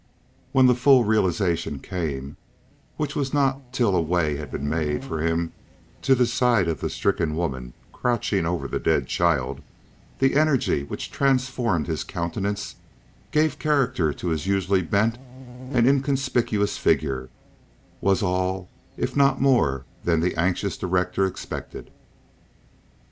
When the full realization came, which was not till a way had been made for him to the side of the stricken woman crouching over the dead child, the energy which transformed his countenance and gave character to his usually bent and inconspicuous figure was all if not more than the anxious director expected.